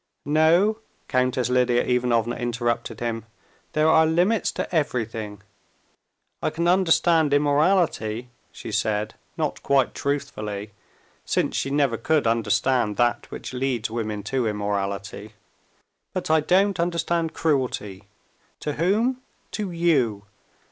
"No," Countess Lidia Ivanovna interrupted him; "there are limits to everything. I can understand immorality," she said, not quite truthfully, since she never could understand that which leads women to immorality; "but I don't understand cruelty: to whom? to you!